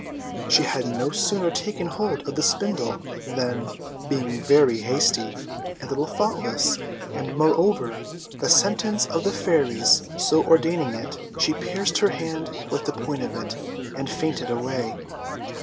She had no sooner taken hold of the spindle, than, being very hasty, a little thoughtless, and, moreover, the sentence of the Fairies so ordaining it, she pierced her hand with the point of it, and fainted away.